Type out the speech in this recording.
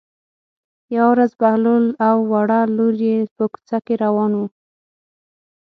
یوه ورځ بهلول او وړه لور یې په کوڅه کې روان وو.